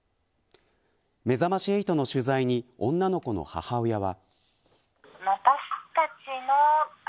めざまし８の取材に女の子の母親は。